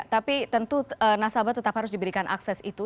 tapi tentu nasabah tetap harus diberikan akses itu